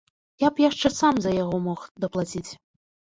Я б яшчэ сам за яго мог даплаціць.